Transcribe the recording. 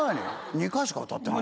２回しか歌ってない？